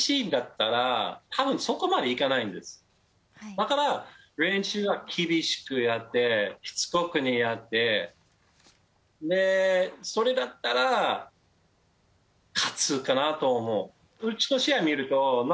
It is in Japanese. だから練習は厳しくやってしつこくやってでそれだったら勝つかなと思う。